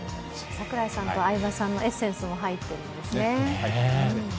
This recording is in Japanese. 櫻井さんと相葉さんのエッセンスも入っているんですね。